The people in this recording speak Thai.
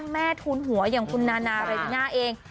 แม่ทูลหัวอย่างคุณนานาเรติน่าเอง